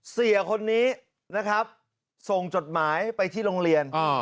เสียคนนี้นะครับส่งจดหมายไปที่โรงเรียน